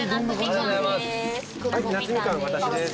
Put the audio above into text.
夏みかんです。